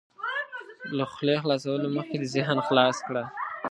له خولې خلاصولو مخکې دې ذهن خلاص کړه.